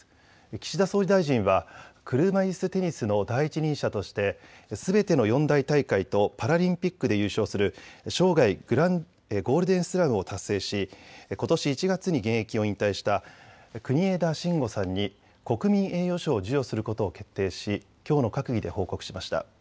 岸田総理大臣は車いすテニスの第一人者としてすべての四大大会とパラリンピックで優勝する生涯ゴールデンスラムを達成しことし１月に現役を引退した国枝慎吾さんに国民栄誉賞を授与することを決定しきょうの閣議で報告しました。